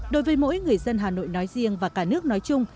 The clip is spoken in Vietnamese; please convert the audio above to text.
đối với mỗi người dân hà nội nói riêng và cả nước nói chung